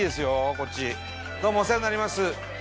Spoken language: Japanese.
こっちどうもお世話になります